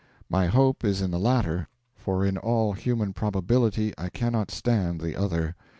My hope is in the latter, for in all human probability I cannot stand the other.